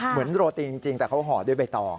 โรตีจริงแต่เขาห่อด้วยใบตอง